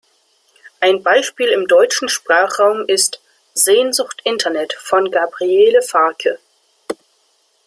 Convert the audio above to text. Ein Beispiel im deutschen Sprachraum ist "Sehnsucht Internet" von Gabriele Farke.